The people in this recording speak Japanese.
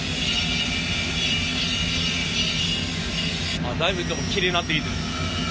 あっだいぶでもきれいになってきてる。